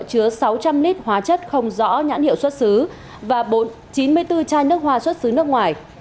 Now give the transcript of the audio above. chứa sáu trăm linh lít hóa chất không rõ nhãn hiệu xuất xứ và chín mươi bốn chai nước hoa xuất xứ nước ngoài